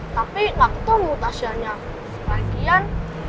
tapi ma aku tau enggo tasya nya selagi lagi